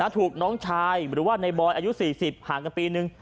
ถูกน้องชายหรือว่าในบอยอายุ๔๐ห่างกันปีนึง